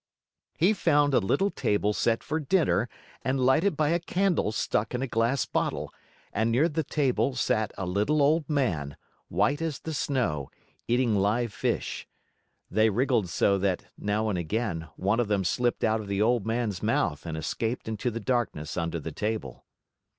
He found a little table set for dinner and lighted by a candle stuck in a glass bottle; and near the table sat a little old man, white as the snow, eating live fish. They wriggled so that, now and again, one of them slipped out of the old man's mouth and escaped into the darkness under the table.